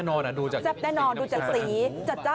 โอ้โฮโอ้โฮ